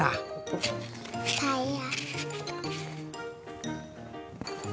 タイヤ。